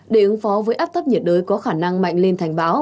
để ứng phó với áp thấp nhiệt đới có khả năng mạnh lên thành bão